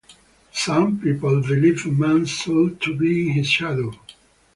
Some peoples believe a man’s soul to be in his shadow.